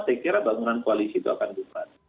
saya kira bangunan koalisi itu akan bubar